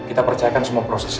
kita percayakan semua proses